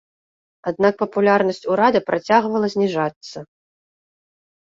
Аднак папулярнасць урада працягвала зніжацца.